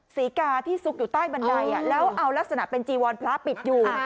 ศรีกาที่ซุกอยู่ใต้บันไดแล้วเอาลักษณะเป็นจีวรพระปิดอยู่